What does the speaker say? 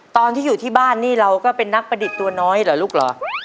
ตอนที่อยู่ที่บ้านนี่เราก็เป็นนักประดิษฐ์ตัวน้อยเหรอลูกเหรอ